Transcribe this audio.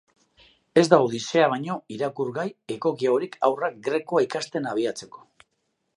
Ez da Odyssea baino irakurgai egokiagorik haurrak grekoa ikasten abiatzeko.